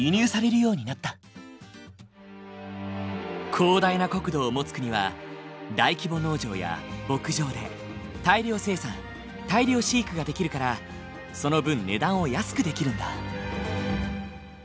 広大な国土を持つ国は大規模農場や牧場で大量生産大量飼育ができるからその分値段を安くできるんだ。